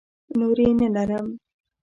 نورې نه لرم.